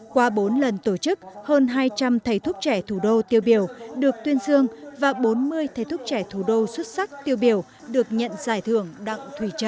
qua bốn lần tổ chức hơn hai trăm linh thầy thuốc trẻ thủ đô tiêu biểu được tuyên dương và bốn mươi thầy thuốc trẻ thủ đô xuất sắc tiêu biểu được nhận giải thưởng đặng thùy trâu